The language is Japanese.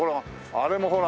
あれもほら。